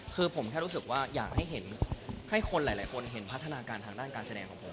คือผมแค่รู้สึกว่าอยากให้คนหลายคนเห็นพัฒนาการทางด้านการแสดงของผม